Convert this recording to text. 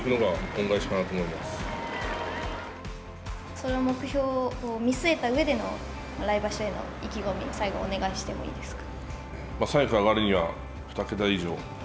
その目標を見据えたうえでの来場所への意気込みを最後お願いしてもいいですか。